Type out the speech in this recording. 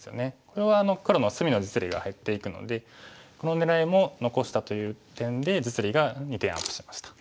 これは黒の隅の実利が減っていくのでこの狙いも残したという点で実利が２点アップしました。